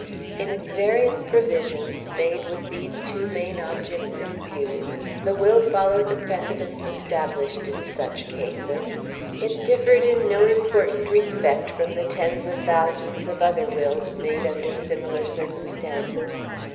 In its various provisions, made with these two main objects in view, the Will followed the precedents established in such cases. It differed in no important respect from the tens of thousands of other wills made under similar circumstances.